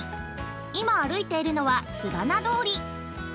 今歩いているのは、すなば通り。